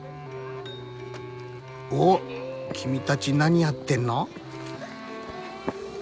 おっ君たち何やってんの？